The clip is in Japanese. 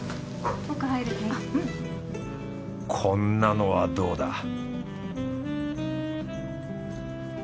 こんなのはどうだ？